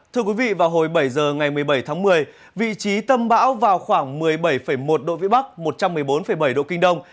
thưa quý vị vào hồi bảy giờ ngày một mươi bảy tháng một mươi vị trí tâm bão vào khoảng một mươi bảy một độ vĩ bắc một trăm một mươi bốn bảy độ kinh đông